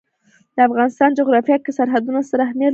د افغانستان جغرافیه کې سرحدونه ستر اهمیت لري.